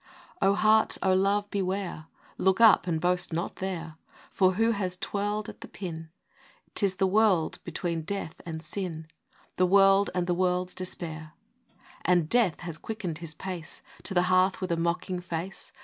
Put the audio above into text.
VII. O Heart, O Love, beware ! Look up, and boast not there. For who has twirled at the pin? 'Tis the world, between Death and Sin, — The world, and the world's Despair ! And Death has quickened his pace To the hearth, with a mocking face.